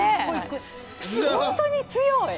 本当に強い！